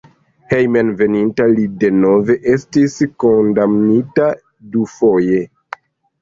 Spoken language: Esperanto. Hejmenveninta li denove estis kondamnita dufoje.